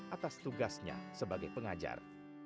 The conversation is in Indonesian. atas tugasnya sebagai pengajar